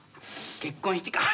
結婚してから。